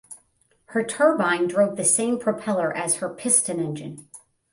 Her turbine drove the same propeller as her piston engine.